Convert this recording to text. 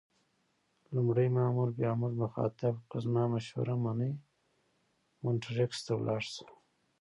لومړي مامور بیا موږ مخاطب کړو: که زما مشوره منې مونټریکس ته ولاړ شه.